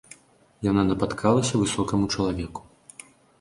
Яна напаткалася высокаму чалавеку.